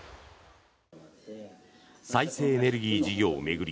再生エネルギー事業を巡り